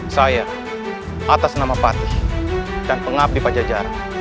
saya atas nama patih dan pengabdi pajajaran